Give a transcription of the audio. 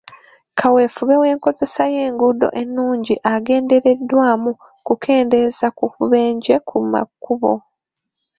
Kaweefube w'enkozesa y'enguudo ennungi agendereddwamu kukendeeza ku bubenje ku makubo.